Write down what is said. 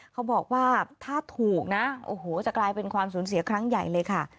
เขาบอกว่าถ้าถูกนะโอ้โหจะกลายเป็นความสูญเสียครั้งใหญ่เลยค่ะ